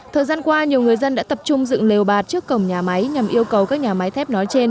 thời gian qua nhiều người dân đã tập trung dựng lều bạt trước cổng nhà máy nhằm yêu cầu các nhà máy thép nói trên